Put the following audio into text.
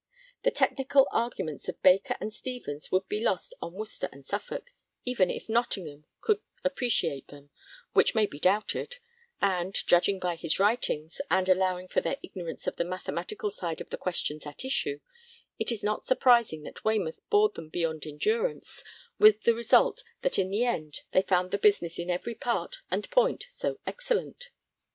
The technical arguments of Baker and Stevens would be lost on Worcester and Suffolk, even if Nottingham could appreciate them, which may be doubted; and judging by his writings, and allowing for their ignorance of the mathematical side of the questions at issue it is not surprising that Waymouth bored them beyond endurance, with the result that in the end 'they found the business in every part and point so excellent.'